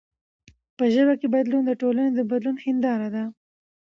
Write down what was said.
په ژبه کښي بدلون د ټولني د بدلون هنداره ده.